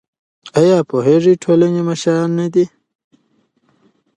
ایا پوهان د ټولنې مشران نه دي؟